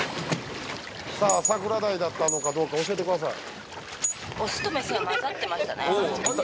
さぁサクラダイだったのかどうか教えてください。